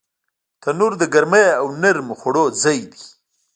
تنور د ګرمۍ او نرمو خوړو ځای دی